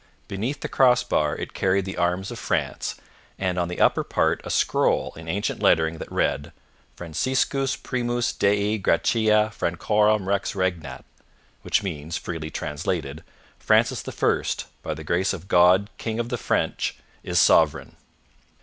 Beneath the cross bar it carried the arms of France, and on the upper part a scroll in ancient lettering that read, 'FRANCISCUS PRIMUS DEI GRATIA FRANCORUM REX REGNAT' Which means, freely translated, 'Francis I, by the grace of God King of the French, is sovereign.'